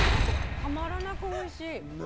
たまらなくおいしい。ね。